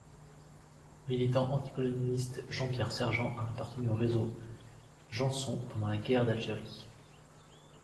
Militant anticolonialiste, Jean-Pierre Sergent a appartenu au Réseau Jeanson pendant la Guerre d'Algérie.